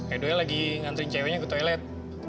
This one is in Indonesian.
eduel lagi ngantri ceweknya ke toilet